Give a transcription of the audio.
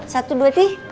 satu dua tih